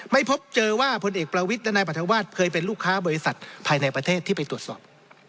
ไม่พบเจอว่าพลเอกประวิทย์และนายปรัฐวาสเคยเป็นลูกค้าบริษัทภายในประเทศที่ไปตรวจสอบ